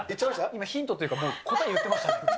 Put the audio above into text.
もうヒントっていうか、答え言ってました。